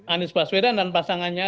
anies baswedan dan pasangannya